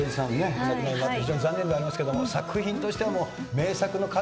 お亡くなりになって非常に残念でありますけれども作品としては名作の数々ですね。